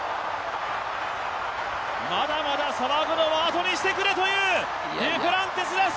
まだまだ騒ぐのはあとにしてくれというデュプランティスです。